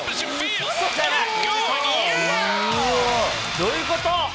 どういうこと？